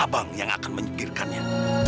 bang yang akan menyingkirkannya